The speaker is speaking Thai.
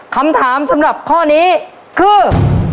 คำถามสำหรับข้อนี้คือ